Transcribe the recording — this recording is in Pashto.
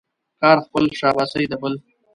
کار خپل ، شاباسي د بل.